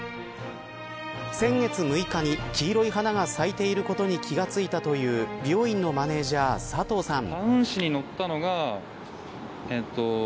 先月６日に黄色い花が咲いていることに気が付いたという美容院のマネジャー佐藤さん。